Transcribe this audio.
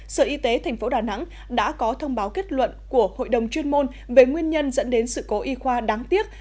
sở y tế tp đà nẵng đã có thông báo kết luận của hội đồng chuyên môn về nguyên nhân dẫn đến sự cố y khoa đáng tiếc